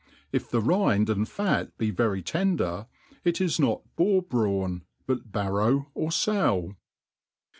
Jf the rind and fat be very tender, it is not boar* brawn, but barrow or fow.